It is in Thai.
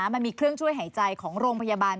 มันมีเครื่องช่วยหายใจของโรงพยาบาล